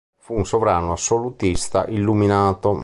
Fu un sovrano assolutista illuminato.